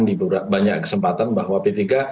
di banyak kesempatan bahwa p tiga